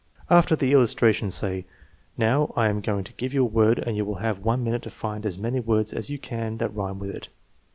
After the illustration say: "Now, I am going to give you a word and you will have one minute to find as many words as you can that rhyme with it.